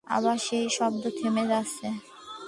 আবার সেই শব্দ থেমে যাচ্ছে।